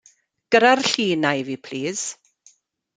Gyrra'r llun 'na i fi plis.